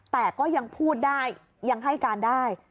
แต่ก็ยังพูดได้ยังให้การได้